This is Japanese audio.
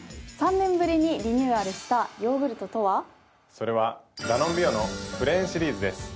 それはダノンビオのプレーンシリーズです。